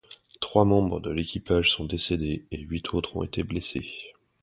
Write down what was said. Trois membres de l'équipage sont décédés et huit autres ont été blessés.